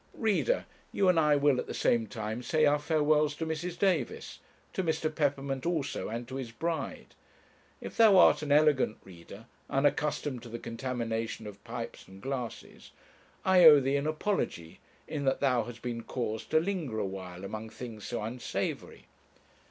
Reader, you and I will at the same time say our farewells to Mrs. Davis, to Mr. Peppermint also, and to his bride. If thou art an elegant reader, unaccustomed to the contamination of pipes and glasses, I owe thee an apology in that thou hast been caused to linger a while among things so unsavoury.